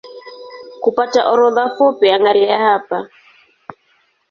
Kupata orodha fupi angalia hapa